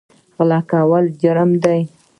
غلا کول جرم دی